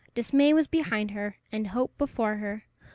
Dismay was behind her, and hope before her.